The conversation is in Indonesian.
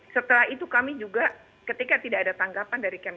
setelah itu kami juga ketika tidak ada tanggapan